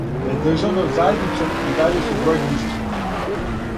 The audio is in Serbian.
Пред државном заједницом и даље су бројни изазови.